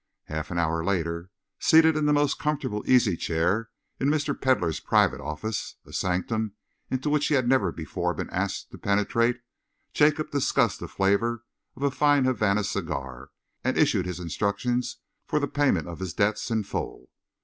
Half an hour later, seated in the most comfortable easy chair of Mr. Pedlar's private office, a sanctum into which he had never before been asked to penetrate, Jacob discussed the flavour of a fine Havana cigar and issued his instructions for the payment of his debts in full.